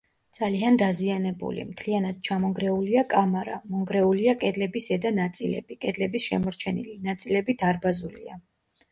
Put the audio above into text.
ძალიან დაზიანებული: მთლიანად ჩამონგრეულია კამარა, მონგრეულია კედლების ზედა ნაწილები, კედლების შემორჩენილი ნაწილები დარბაზულია.